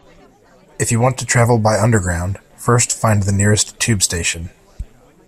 If you want to travel by underground, first find the nearest tube station